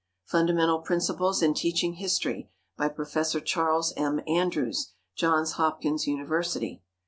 "Fundamental Principles in Teaching History," by Prof. Charles M. Andrews, Johns Hopkins University.